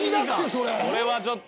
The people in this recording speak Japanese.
それはちょっと。